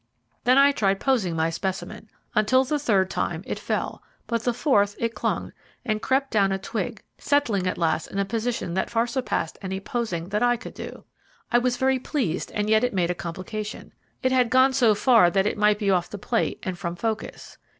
Then I tried posing my specimen. Until the third time it fell, but the fourth it clung, and crept down a twig, settling at last in a position that far, surpassed any posing that I could do. I was very pleased, and yet it made a complication. It had gone so far that it might be off the plate and from focus.